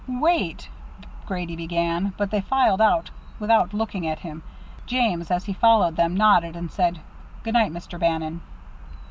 "Wait " Grady began, but they filed out without looking at him. James, as he followed them, nodded, and said, "Good night, Mr. Bannon."